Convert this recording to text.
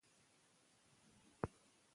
که مادي ژبه وي، نو د پوهې په رسولو کې خنډ نشته.